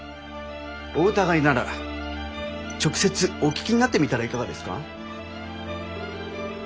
お疑いなら直接お聞きになってみたらいかがですか？